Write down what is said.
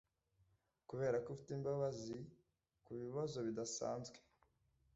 Kuberako ufite imbabazi kubibazo bidasanzwe